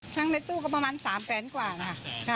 ชั้นในตู้ก็ประมาณสามแสนไซส์กว่าค่ะ